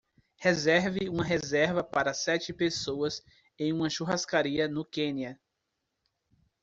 Reserve uma reserva para sete pessoas em uma churrascaria no Quênia